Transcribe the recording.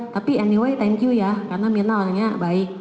tapi anyway thank you ya karena mirna orangnya baik